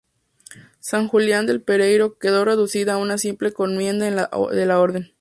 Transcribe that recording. San Julián del Pereiro quedó reducida a una simple encomienda de la orden.